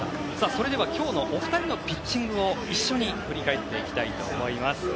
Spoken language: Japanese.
それでは今日のお二人のピッチングを一緒に振り返っていきたいと思います。